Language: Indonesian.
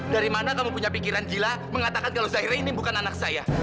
dari mana kamu punya pikiran gila mengatakan kalau saya heri ini bukan anak saya